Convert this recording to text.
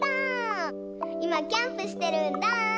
いまキャンプしてるんだ！